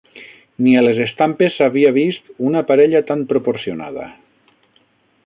Ni a les estampes s'havia vist una parella tant proporcionada